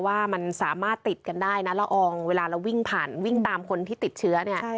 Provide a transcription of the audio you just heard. ว่ามันสามารถติดกันได้นะเล่าอองตามคนติดเชื้อเนี่ย